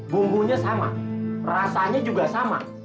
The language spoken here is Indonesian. bumbunya sama rasanya juga sama